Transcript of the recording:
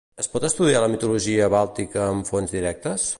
Es pot estudiar la mitologia bàltica amb fonts directes?